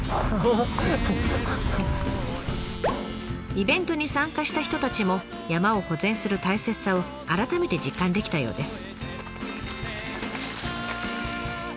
イベントに参加した人たちも山を保全する大切さを改めて実感できたようです。